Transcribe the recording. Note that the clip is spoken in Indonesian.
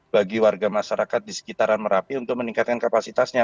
bagi warga masyarakat di sekitaran merapi untuk meningkatkan kapasitasnya